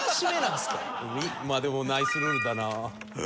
まあでもナイスルールだなあ。